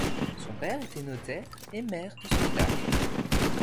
Son père était notaire et maire de ce village.